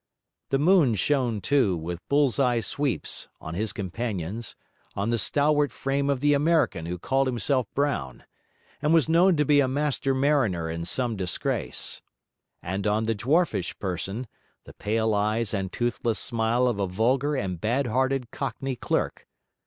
The moon shone too, with bull's eye sweeps, on his companions; on the stalwart frame of the American who called himself Brown, and was known to be a master mariner in some disgrace; and on the dwarfish person, the pale eyes and toothless smile of a vulgar and bad hearted cockney clerk.